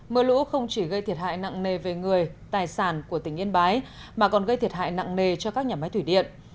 mưa lũ không chỉ gây thiệt hại nặng nề về người tài sản của tỉnh yên bái mà còn gây thiệt hại nặng nề cho các nhà máy thủy điện